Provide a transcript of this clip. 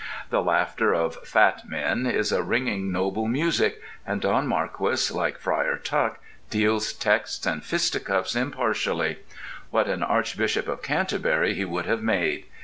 The laughter of fat men is a ringing noble music, and Don Marquis, like Friar Tuck, deals texts and fisticuffs impartially. What an archbishop of Canterbury he would have made!